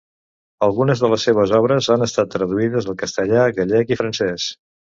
Algunes de les seves obres han estat traduïdes al castellà, gallec i francès.